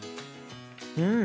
うん！